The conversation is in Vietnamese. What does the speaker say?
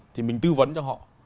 thì mình tư vấn cho họ